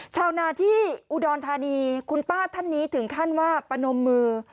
ชาวนาที่อุดรธานีคุณป้าท่านนี้ถึงขั้นว่าประนมมือ